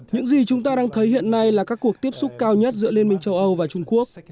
những gì chúng ta đang thấy hiện nay là các cuộc tiếp xúc cao nhất giữa liên minh châu âu và trung quốc